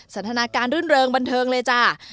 สันทนาการรื่นเริงบันเทิงเลยจ้ะ